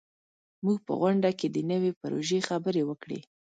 موږ په غونډه کې د نوي پروژې خبرې وکړې.